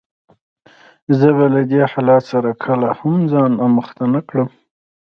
زه به له دې حالت سره کله هم ځان آموخته نه کړم.